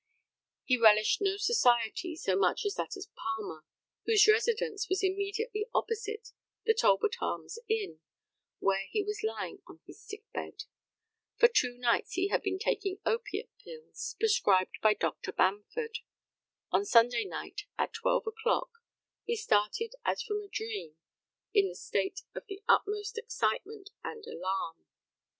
He relished no society so much as that of Palmer, whose residence was immediately opposite the Talbot Arms Inn, where he was lying on his sick bed. For two nights he had been taking opiate pills, prescribed by Dr. Bamford. On Sunday night, at twelve o'clock, he started as from a dream in a state of the utmost excitement and alarm.